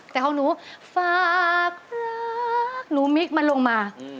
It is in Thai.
แต่ของหนูฝากหนูมิกมันลงมา